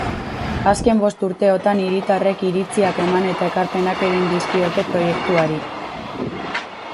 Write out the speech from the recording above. Azken bost urteotan hiritarrek iritziak eman eta ekarpenak egin dizkiote proiektuari.